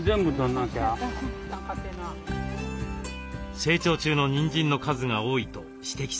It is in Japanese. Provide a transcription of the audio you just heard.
成長中のニンジンの数が多いと指摘されました。